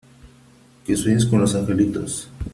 Que sueñes con los angelitos .